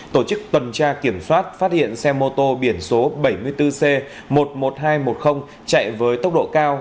tổ chức tuần tra kiểm soát phát hiện xe mô tô biển số bảy mươi bốn c một mươi một nghìn hai trăm một mươi chạy với tốc độ cao